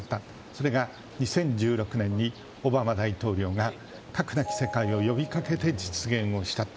それが２０１６年にオバマ大統領が核なき世界を呼び掛けて実現をしたと。